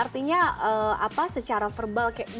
artinya apa secara verbal di kehidupan